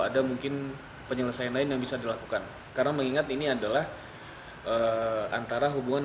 ada mungkin penyelesaian lain yang bisa dilakukan karena mengingat ini adalah antara hubungan